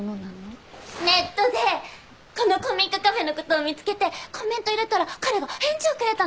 ネットでこの古民家カフェの事を見つけてコメント入れたら彼が返事をくれたの。